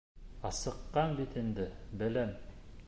Асыҡҡан бит инде, беләм.